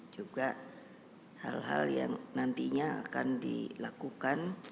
juga hal hal yang nantinya akan dilakukan